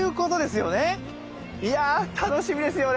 いや楽しみですよね。